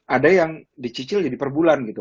ada yang dicicil jadi per bulan gitu